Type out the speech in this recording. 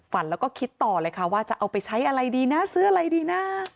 แล้วก็คิดต่อเลยค่ะว่าจะเอาไปใช้อะไรดีนะซื้ออะไรดีนะ